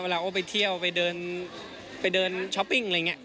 เวลาไปเที่ยวไปเดินช้อปปิ้งอะไรอย่างนี้